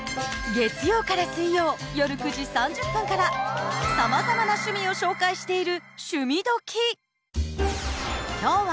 月曜から水曜夜９時３０分からさまざまな趣味を紹介している「趣味どきっ！」。